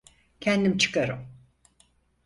Kendim çıkarım!